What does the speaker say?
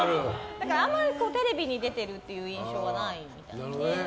だから、あんまりテレビに出てるっていう印象はないみたいで。